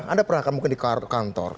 anda pernah mungkin di kantor